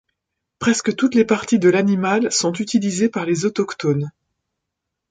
Presque toutes les parties de l'animal sont utilisées par les autochtones.